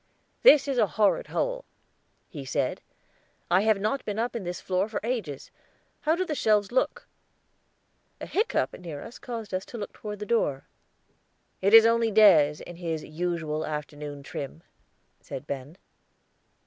"This is a horrid hole," he said. "I have not been up in this floor for ages. How do the shelves look?" A hiccough near us caused us to look toward the door. "It is only Des, in his usual afternoon trim," said Ben.